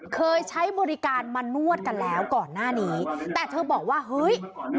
เคยใช้บริการมานวดกันแล้วก่อนหน้านี้แต่เธอบอกว่าเฮ้ย